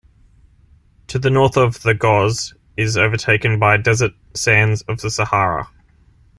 To the north the "goz" is overtaken by the desert sands of the Sahara.